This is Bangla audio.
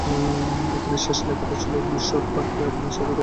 এখানে শেষ লেখাটা ছিল বিশপ পার্কে আপনার সাথে দেখা করার বিষয়ে।